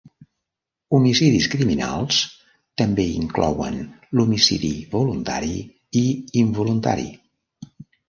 Homicidis criminals també inclouen l'homicidi voluntari i involuntari.